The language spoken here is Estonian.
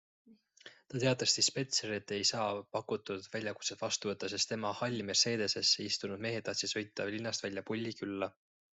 Ta teatas dispetšerile, et ei saa pakutud väljakutset vastu võtta, sest tema halli Mercedesesse istunud mehed tahtsid sõita linnast välja Pulli külla.